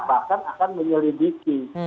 bahkan akan menyelidiki